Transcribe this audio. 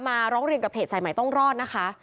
ร้องเรียนกับเพจสายใหม่ต้องรอดนะคะ